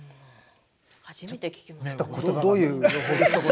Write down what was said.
初めて聞きましたね。